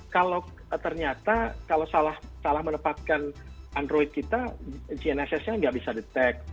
kalau ternyata kalau salah menepatkan android kita gnss nya nggak bisa detect